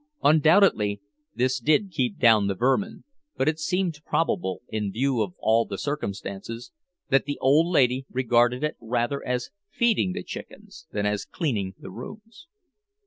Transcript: Undoubtedly this did keep down the vermin, but it seemed probable, in view of all the circumstances, that the old lady regarded it rather as feeding the chickens than as cleaning the rooms.